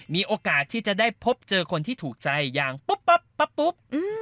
มีโอกาสที่จะได้พบเจอคนที่ถูกใจอย่างปุ๊บปั๊บปั๊บปุ๊บ